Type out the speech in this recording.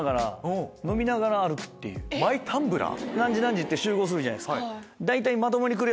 何時何時って集合するじゃないですか。